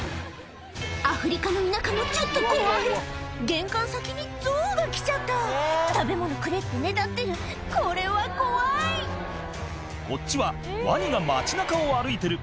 アフリカの田舎もちょっと怖い玄関先にゾウが来ちゃった「食べ物くれ」ってねだってるこれは怖いこっちはワニが町中を歩いてる